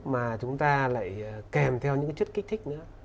mà chúng ta lại kèm theo những cái chất kích thích nữa